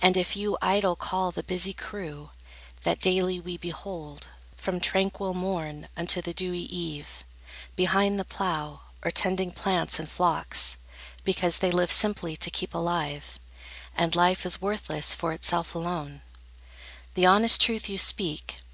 And if you idle call The busy crew, that daily we behold, From tranquil morn unto the dewy eve, Behind the plough, or tending plants and flocks, Because they live simply to keep alive, And life is worthless for itself alone, The honest truth you speak.